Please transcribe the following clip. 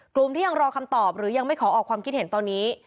กลุ่มที่ยังรอคำตอบหรือยังไม่ขอออกความคิดเห็นตอนนี้